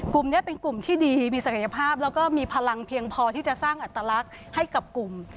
กลุ่มนี้เป็นกลุ่มที่ดีมีศักยภาพแล้วก็มีพลังเพียงพอที่จะสร้างอัตลักษณ์ให้กับกลุ่ม